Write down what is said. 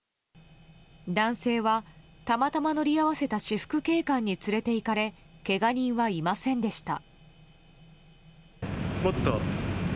男性は、たまたま乗り合わせた私服警官に連れていかれけが人はいませんでした。